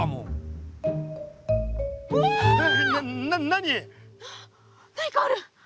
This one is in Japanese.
何かある。